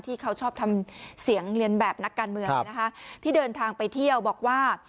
ที่เขาชอบทำเสียงเรียนแบบนักการเมืองที่เดินทางไปเที่ยวบอกว่า